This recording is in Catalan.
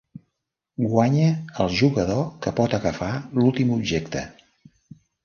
Guanya el jugador que pot agafar l'últim objecte.